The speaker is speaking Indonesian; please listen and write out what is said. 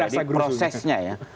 jadi prosesnya ya